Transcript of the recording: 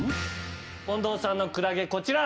近藤さんのクラゲこちら。